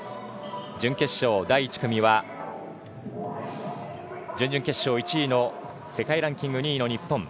準決勝第１組は準々決勝１位世界ランキング２位の日本。